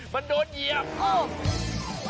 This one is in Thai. มันโดนเหยียบ